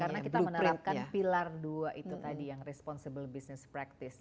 karena kita menerapkan pilar dua itu tadi yang responsible business practice